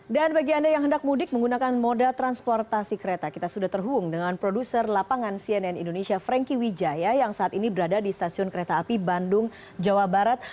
dan bagi anda yang hendak mudik menggunakan moda transportasi kereta kita sudah terhubung dengan produser lapangan cnn indonesia franky wijaya yang saat ini berada di stasiun kereta api bandung jawa barat